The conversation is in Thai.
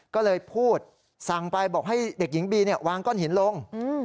ก็เลยพูดสั่งไปบอกให้เด็กหญิงบีวางก้อนหินลง